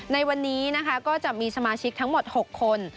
ในวันนี้นะคะก็จะมีสมาชิกทั้งหมด๖คน